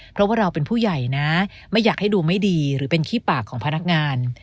เพราะว่าเราเป็นผู้ใหญ่นะไม่อยากให้ดูไม่ดีหรือเป็นขี้ปากของพนักงาน